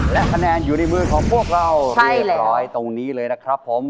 และคะแนนอยู่ในมือของพวกเราเรียบร้อยตรงนี้เลยนะครับผม